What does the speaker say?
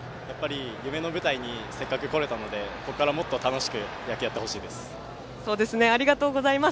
夢の舞台にせっかく来れたのでここから、もっと楽しくありがとうございます。